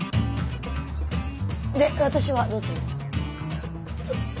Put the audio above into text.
で私はどうすれば？